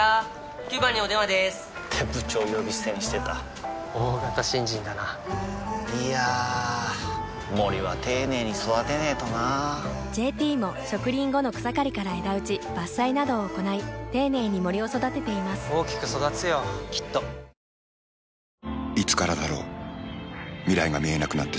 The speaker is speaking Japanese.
９番にお電話でーす！って部長呼び捨てにしてた大型新人だないやー森は丁寧に育てないとな「ＪＴ」も植林後の草刈りから枝打ち伐採などを行い丁寧に森を育てています大きく育つよきっとプシューッ！